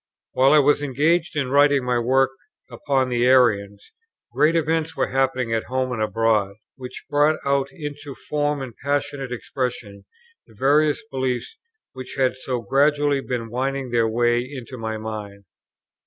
While I was engaged in writing my work upon the Arians, great events were happening at home and abroad, which brought out into form and passionate expression the various beliefs which had so gradually been winning their way into my mind.